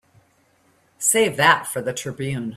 Save that for the Tribune.